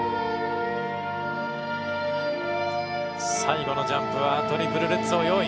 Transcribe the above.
最後のジャンプはトリプルルッツを用意。